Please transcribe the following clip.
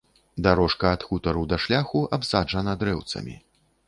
Дарожка ад хутару да шляху абсаджана дрэўцамі.